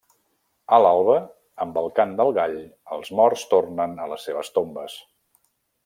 A l'alba, amb el cant del gall, els morts tornen a les seves tombes.